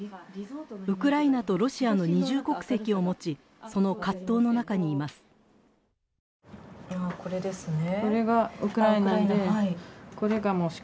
ウクライナとロシアの二重国籍を持ち、その葛藤の中にいます。